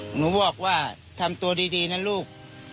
หนูบอกว่าทำตัวดีนะลูก